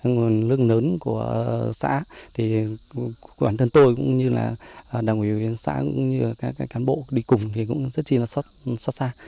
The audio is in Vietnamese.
nguồn nước lớn của xã thì bản thân tôi cũng như là đồng hồ huyện xã cũng như là các cán bộ đi cùng thì cũng rất chi là xót xa